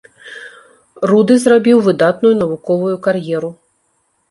Руды зрабіў выдатную навуковую кар'еру.